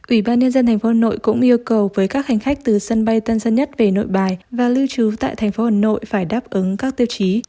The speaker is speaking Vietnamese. ủy ban nhân dân tp hcm cũng yêu cầu với các hành khách từ sân bay tân sân nhất về nội bài và lưu trú tại tp hcm phải đáp ứng các tiêu chí